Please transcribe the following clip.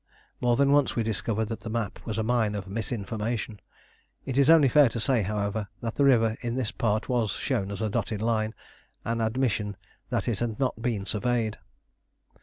More than once we discovered that the map was a mine of misinformation. It is only fair to say, however, that the river in this part was shown in a dotted line, an admission that it had not been surveyed.